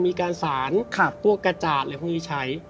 มีการสารตัวกระจาดเลยพรุ่งนี้ใช้